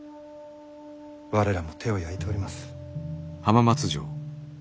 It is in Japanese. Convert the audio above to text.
我らも手を焼いております。